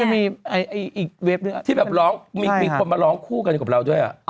มีคนมาร้องคู่กันกันกับเรา